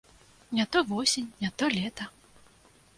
Не то восень, не то лета.